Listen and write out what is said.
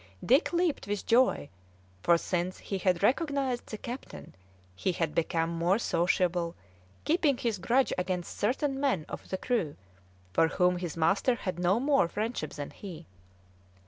Dick leaped with joy, for since he had recognised the captain he had become more sociable, keeping his grudge against certain men of the crew for whom his master had no more friendship than he.